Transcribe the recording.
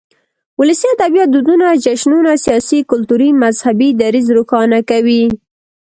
ولسي ادبيات دودنه، جشنونه ،سياسي، کلتوري ،مذهبي ، دريځ روښانه کوي.